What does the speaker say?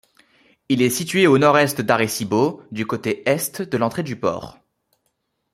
Il est situé au nord-est d'Arecibo, du côté est de l'entrée du port.